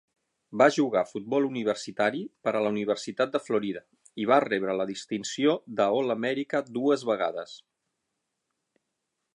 Va jugar a futbol universitari per a la Universitat de Florida i va rebre la distinció d'All-Americà dues vegades.